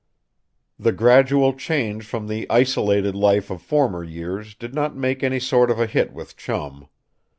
The gradual change from the isolated life of former years did not make any sort of a hit with Chum.